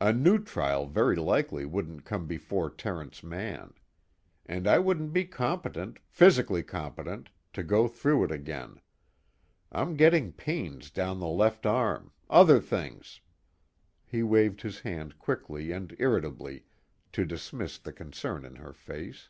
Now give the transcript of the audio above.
A new trial very likely wouldn't come before Terence Mann. And I wouldn't be competent, physically competent, to go through it again. I'm getting pains down the left arm, other things " he waved his hand quickly and irritably to dismiss the concern in her face.